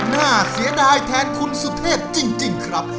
น่าเสียดายแทนคุณสุเทพจริงครับ